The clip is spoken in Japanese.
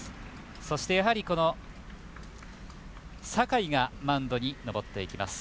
そして、やはり酒居がマウンドに上っていきます。